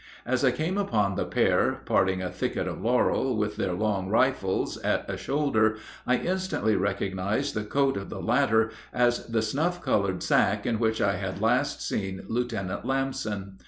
As I came upon the pair parting a thicket of laurel, with their long rifles at a shoulder, I instantly recognized the coat of the latter as the snuff colored sack in which I had last seen Lieutenant Lamson.